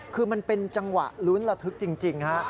คือมันเป็นจังหวะลุ้นระทึกจริงฮะ